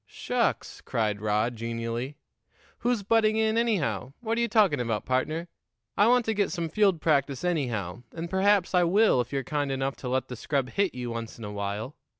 "Shucks!" cried Rod genially. "Who's butting in, anyhow? What are you talking about, partner? I want to get some field practice anyhow, and perhaps I will if you're kind enough to let the scrub hit you once in a while.